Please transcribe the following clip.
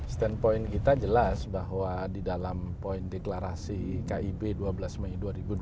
standpoint kita jelas bahwa di dalam poin deklarasi kib dua belas mei dua ribu dua puluh